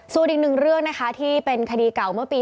ส่วนอีกหนึ่งเรื่องนะคะที่เป็นคดีเก่าเมื่อปี๒๕